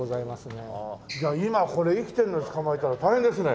じゃあ今これ生きてるの捕まえたら大変ですね。